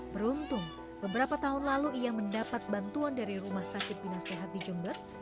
beruntung beberapa tahun lalu ia mendapat bantuan dari rumah sakit bina sehat di jember